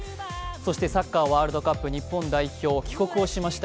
そしてサッカーワールドカップ日本代表帰国をしました。